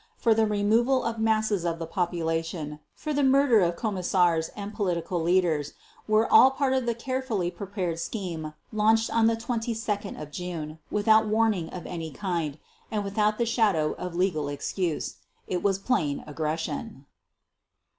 for the removal of masses of the population, for the murder of Commissars and political leaders, were all part of the carefully prepared scheme launched on 22 June without warning of any kind, and without the shadow of legal excuse. It was plain aggression.